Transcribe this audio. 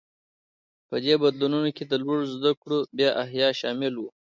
په دې بدلونونو کې د لوړو زده کړو بیا احیا شامل و.